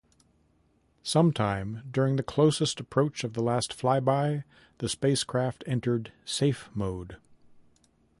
Sometime during the closest approach of the last flyby, the spacecraft entered safe mode.